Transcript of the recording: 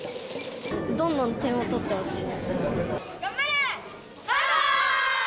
どんどん点を取ってほしいで頑張れ！